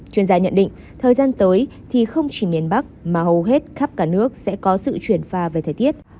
chuyên gia nhận định thời gian tới thì không chỉ miền bắc mà hầu hết khắp cả nước sẽ có sự chuyển pha về thời tiết